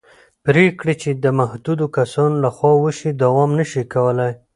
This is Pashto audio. پرېکړې چې د محدودو کسانو له خوا وشي دوام نه شي کولی